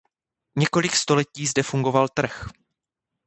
Několik století zde fungoval trh.